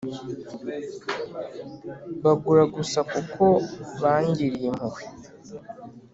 bagura gusa kuko bangiriye impuhwe.